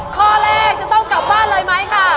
ข้อแรกจะต้องกลับบ้านเลยไหมค่ะ